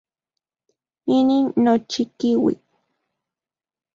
Inin nochikiui.